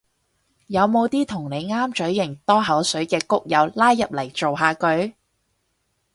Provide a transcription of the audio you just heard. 有冇啲同你啱嘴型多口水嘅谷友拉入嚟造下句